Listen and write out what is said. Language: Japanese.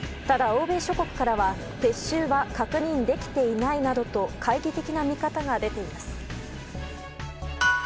ただ、欧米諸国からは撤収は確認できていないなどと懐疑的な見方が出ています。